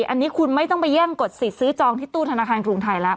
อันนี้คุณไม่ต้องไปแย่งกดสิทธิ์ซื้อจองที่ตู้ธนาคารกรุงไทยแล้ว